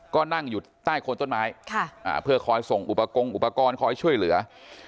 ก็นั่งอยู่ใต้โคนต้นไม้เพื่อคอยส่งอุปกรณ์อุปกรณ์คอยช่วยเหลือ